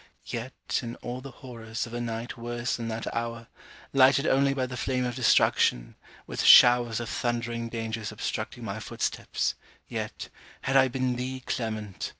Yet, in all the horrors of a night worse than that hour, lighted only by the flame of destruction, with showers of thundering dangers obstructing my footsteps, yet, had I been thee Clement!